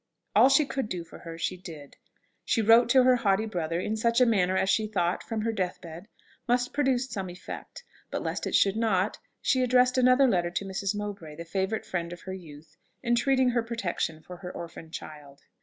All she could do for her, she did. She wrote to her haughty brother in such a manner as she thought, from her deathbed, must produce some effect: but lest it should not, she addressed another letter to Mrs. Mowbray, the favourite friend of her youth, entreating her protection for her orphan child.